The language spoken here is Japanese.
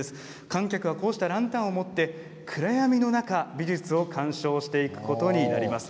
観客はこうしたランタンを持って暗闇の中、美術を鑑賞していくことになります。